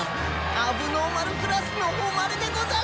問題児クラスの誉れでござる！